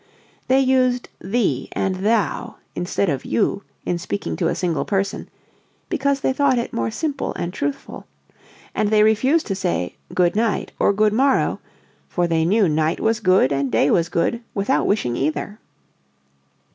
They used "thee" and "thou" instead of "you" in speaking to a single person (because they thought it more simple and truthful), and they refused to say "goodnight" or "goodmorrow," "for they knew night was good and day was good without wishing either."